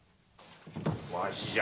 わしじゃ。